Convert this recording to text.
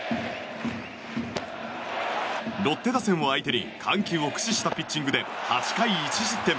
ロッテ打線を相手に緩急を駆使したピッチングで８回１失点。